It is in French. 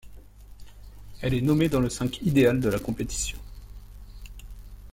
Elle est nommée dans le cinq idéal de la compétition.